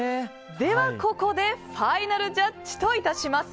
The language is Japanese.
では、ここでファイナルジャッジと致します。